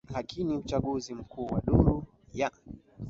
lakini uchaguzi mkuu wa duru ya